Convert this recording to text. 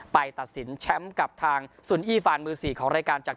ตัดสินแชมป์กับทางสุนอี้ฟานมือ๔ของรายการจาก